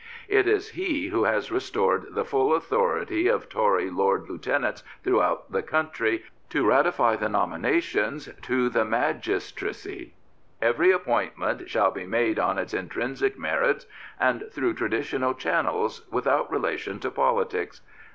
It is he who has restored the full authority of Tory lord lieutenants throughout the country to ratify the nominations to the magistracy Every appointment shall be made on its intrinsic merits and through traditional channels without 198 Lord Loreburn relation to politics.